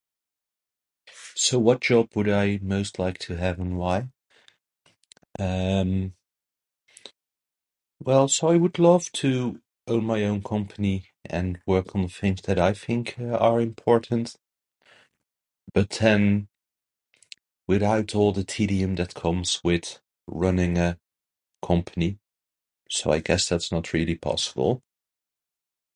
So, what job would I most like to have, and why? Um, well, so I would love to own my own company and work on the things that I think are important. But then, I'd have all tedium that comes with running a company. So, I guess that's not really possible.